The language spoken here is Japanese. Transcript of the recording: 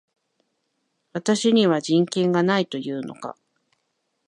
私には人権がないと言うのか